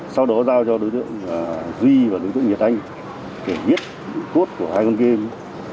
sau đó giao cho đối tượng duy và đối tượng nhật anh để viết cốt của hai con game